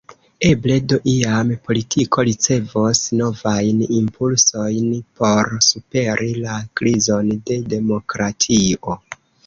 Eble do iam politiko ricevos novajn impulsojn por superi la krizon de demokratio.